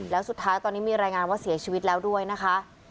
แล้วสุดท้ายตอนนี้มีรายงานว่าเสียชีวิตแล้วด้วยนะคะ